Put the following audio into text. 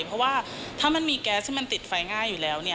เพราะว่าถ้ามันมีแก๊สที่มันติดไฟง่ายอยู่แล้ว